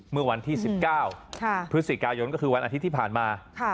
เมื่อวันที่สิบเก้าค่ะพฤศจิกายนก็คือวันอาทิตย์ที่ผ่านมาค่ะ